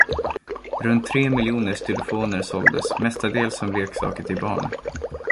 Runt tre miljoner stylofoner såldes, mestadels som leksaker till barn.